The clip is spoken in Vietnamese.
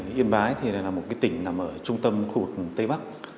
yên bái thì là một tỉnh nằm ở trung tâm khu vực tây bắc